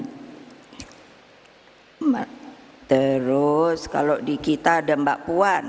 hmm terus kalau di kita ada mbak puan